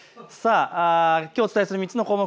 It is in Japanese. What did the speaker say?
きょうお伝えする３つの項目